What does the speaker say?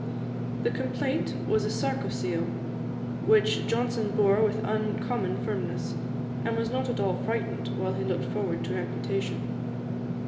The complaint was a sarcocele, which Johnson bore with uncommon firmness, and was not at all frightened while he looked forward to amputation.